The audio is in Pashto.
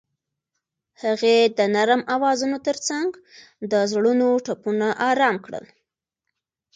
هغې د نرم اوازونو ترڅنګ د زړونو ټپونه آرام کړل.